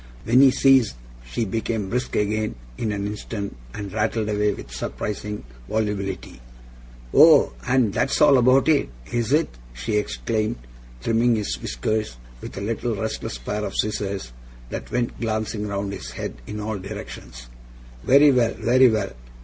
When he ceased she became brisk again in an instant, and rattled away with surprising volubility. 'Oh! And that's all about it, is it?' she exclaimed, trimming his whiskers with a little restless pair of scissors, that went glancing round his head in all directions. 'Very well: very well!